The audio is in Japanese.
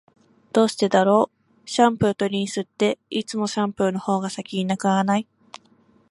どうしてだろう、シャンプーとリンスって、いつもシャンプーの方が先に無くならない？